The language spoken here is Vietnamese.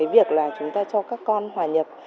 và các văn bản